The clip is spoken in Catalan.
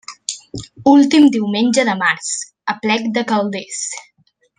Últim diumenge de març: Aplec de Calders.